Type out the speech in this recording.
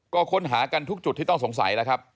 ก็ค้นหากันทุกจุดที่ต้องสงสัยแล้วครับ